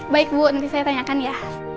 baik bu nanti saya tanyakan ya